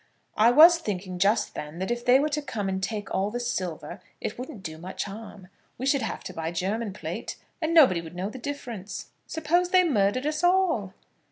"I was thinking just then, that if they were to come and take all the silver it wouldn't do much harm. We should have to buy German plate, and nobody would know the difference." "Suppose they murdered us all?"